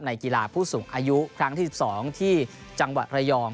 กีฬาผู้สูงอายุครั้งที่๑๒ที่จังหวัดระยอง